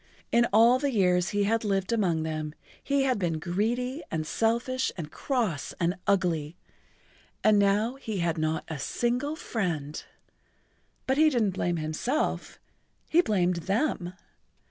In all the years he had lived among them he had been greedy and selfish and cross and ugly, and now he had not a single friend. But he didn't blame himself, he blamed them.